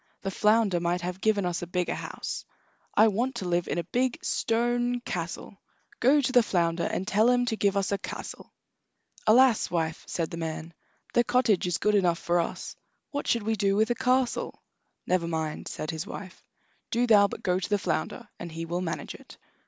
The flounder might have given us a bigger house. I want to live in a big stone castle. Go to the flounder, and tell him to give us a castle." "Alas, wife!" said the man; "the cottage is good enough for us; what should we do with a castle?" "Never mind," said his wife; "do thou but go to the flounder, and he will manage it."